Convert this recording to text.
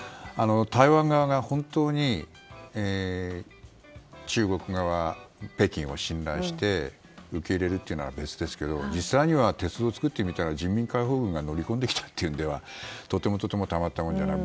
台湾側が本当に中国側、北京を信頼して受け入れるというなら別ですけど実際に鉄道を作ってみたら人民解放軍が乗り込んできたというのではとてもとてもたまったもんじゃない。